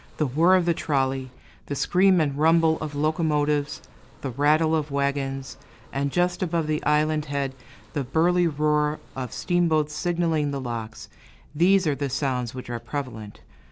The whirr of the trolley, the scream and rumble of locomotives, the rattle of wagons; and just above the island head, the burly roar of steamboats signaling the locks, these are the sounds which are prevalent.